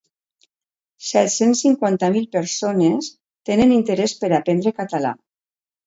Set-cents cinquanta mil persones tenen interès per a aprendre català.